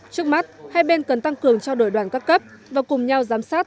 trước mắt hai bên cần tăng cường trao đổi đoàn các cấp và cùng nhau giám sát